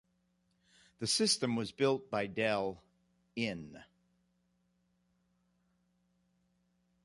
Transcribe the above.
The system was built by Dell, In.